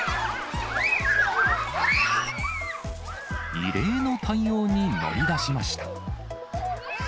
異例の対応に乗り出しました。